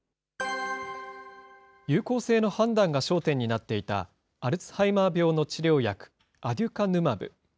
有効性の判断が焦点になっていた、アルツハイマー病の治療薬、アデュカヌマブ。